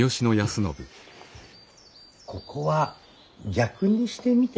ここは逆にしてみては。